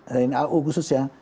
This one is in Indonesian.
tni au khusus ya